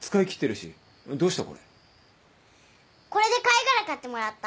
これで貝殻買ってもらった。